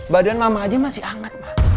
badan mama aja masih hangat